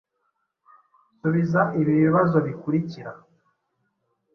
Subiza ibi bibazo bikurikira: